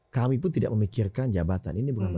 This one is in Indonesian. kami pun tidak memikirkan jabatan ini bukan